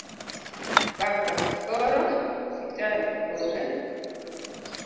Baba:koro? Kitaru: ong'e